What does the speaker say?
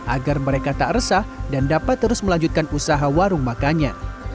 agar mereka tak resah dan dapat terus melanjutkan usaha warung makannya